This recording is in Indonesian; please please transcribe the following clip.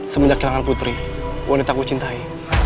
sebenernya kehilangan putri wanita aku cintai